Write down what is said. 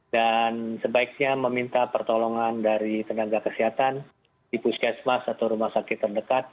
dan sebaiknya meminta pertolongan dari tenaga kesehatan di puskesmas atau rumah sakit terdekat